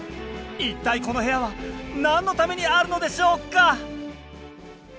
一体この部屋は何のためにあるのでしょうか